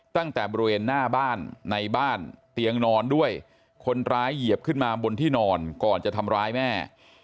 ตั้งแต่บริเวณหน้าบ้านในบ้านเตียงนอนด้วยคนร้ายเหยียบขึ้นมาบนที่นอนก่อนจะทำร้ายแม่